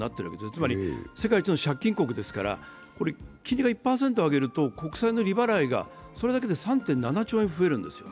つまり世界一の借金国ですから、金利を１％上げると国債の利払いが、それだけで３．７兆円増えるんですよ。